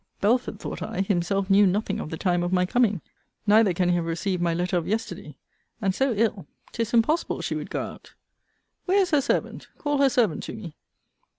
Belford, thought I, himself knew nothing of the time of my coming; neither can he have received my letter of yesterday: and so ill, 'tis impossible she would go out. Where is her servant? Call her servant to me.